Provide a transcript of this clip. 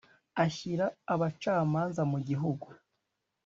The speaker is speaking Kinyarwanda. Ashyira abacamanza mu gihugu